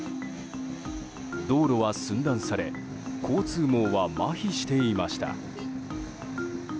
道路は寸断され交通網はまひしていました。